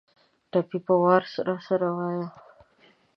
ټپې په وار راسره وايه